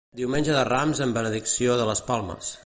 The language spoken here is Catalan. Diumenge de Rams amb benedicció de les palmes.